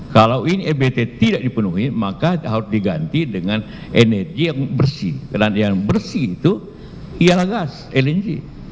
kalau ini ebt tidak dipenuhi maka harus diganti dengan energi yang bersih jalan yang bersih itu ialah gas lensi